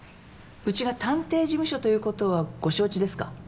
うちが探偵事務所ということはご承知ですか？